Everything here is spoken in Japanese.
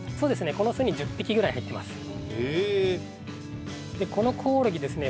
この巣に１０匹ぐらい入ってますええでこのコオロギですね